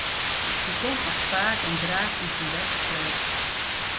Hy komt noch faak en graach yn syn bertestreek.